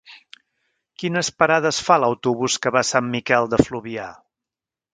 Quines parades fa l'autobús que va a Sant Miquel de Fluvià?